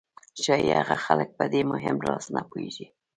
ښایي هغه خلک په دې مهم راز نه پوهېږي